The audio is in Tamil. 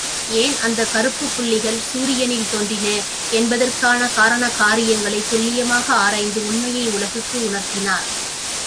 ஏன் அந்தக் கருப்புப் புள்ளிகள் சூரியனில் தோன்றின என்பதற்கான காரண காரியங்களைத் துல்லியமாக ஆராய்ந்து உண்மையை உலகுக்கு உணர்த்தினார்.